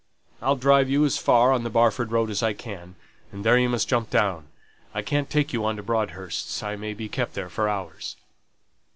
I'll drive you as far on the Barford Road as I can, and then you must jump down. I can't take you on to Broadhurst's, I may be kept there for hours."